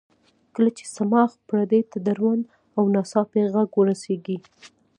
کله چې صماخ پردې ته دروند او ناڅاپي غږ ورسېږي.